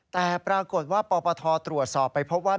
แต่ปรากฏว่าปปทตรวจสอบไปพบว่า